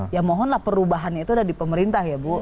ya mohonlah perubahannya itu ada di pemerintah ya bu